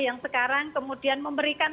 yang sekarang kemudian memberikan